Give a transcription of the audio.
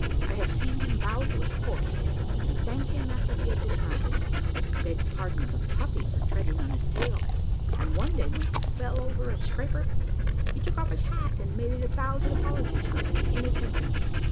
I have seen him bow to his horse, and thank him after he had dismounted beg pardon of a puppy for treading on his tail; and one day, when he fell over a scraper, he took off his hat, and made it a thousand apologies for his inattention."